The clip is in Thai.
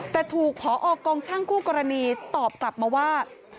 แต่ถูกพอกองช่างคู่กรณีตอบกลับมาว่า